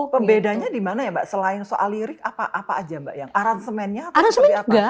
pembedanya di mana ya mbak selain soal lirik apa aja mbak yang aransemennya atau seperti apa